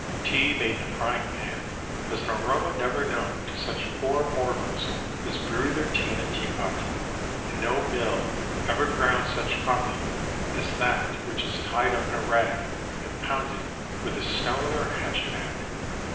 Tea made in a frying pan has an aroma never known to such poor mortals as brew their tea in a teapot, and no mill ever ground such coffee as that which is tied up in a rag and pounded with a stone or hatchet head.